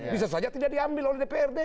bisa saja tidak diambil oleh dprd